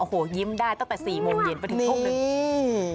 โอ้โฮยิ้มได้ตั้งแต่๔โมงเย็นไปถึง๖นึง